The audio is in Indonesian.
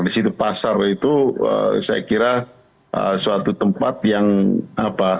di situ pasar itu saya kira suatu tempat yang apa